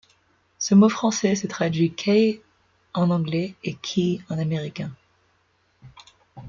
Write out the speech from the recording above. Ce mot français se traduit cay en anglais et key en américain.